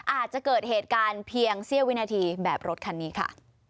อาจจะเกิดเหตุการณ์เพียงเสี้ยววินาทีแบบรถคันนี้ค่ะ